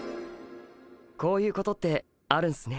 こういうことってあるんすね。